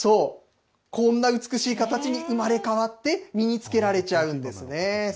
こんな美しい形に生まれ変わって、身につけられちゃうんですね。